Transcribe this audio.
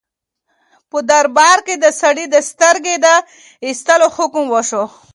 په دربار کې د سړي د سترګې د ایستلو حکم وشو.